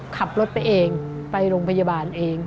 ขับรถไปเองไปโรงพยาบาลเอง